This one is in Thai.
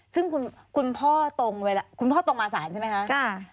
ซึ่งคุณพ่อตรงเวลาคุณพ่อตรงมาสารใช่ไหมคะคุณพ่อตรงมาสารใช่ไหมคะ